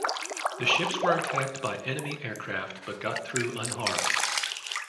The ships were attacked by enemy aircraft but got through unharmed.